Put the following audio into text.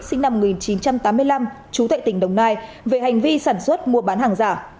sinh năm một nghìn chín trăm tám mươi năm trú tại tỉnh đồng nai về hành vi sản xuất mua bán hàng giả